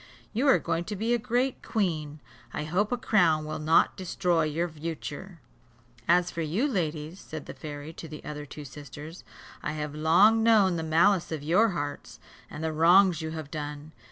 You are going to be a great Queen: I hope a crown will not destroy your virtue." "As for you, ladies," said the fairy to the other two sisters, "I have long known the malice of your hearts, and the wrongs you have done.